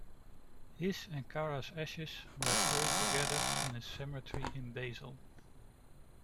His and Clara's ashes were buried together in a cemetery in Basel.